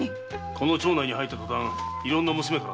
この町内に入ったとたんいろんな娘からな。